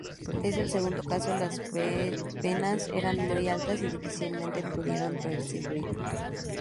En el segundo caso las penas eran muy altas y difícilmente pudieran prescribir.